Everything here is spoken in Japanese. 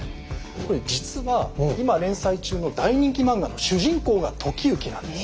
これ実は今連載中の大人気漫画の主人公が時行なんです。